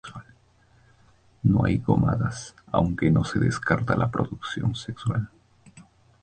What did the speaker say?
No hay gónadas, aunque no se descarta la reproducción sexual.